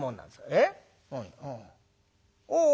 えっ？